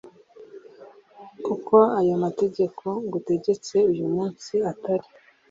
Kuko ayo mategeko ngutegetse uyu munsi atari